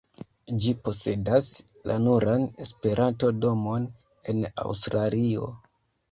Ĝi posedas la nuran Esperanto-domon en Aŭstralio.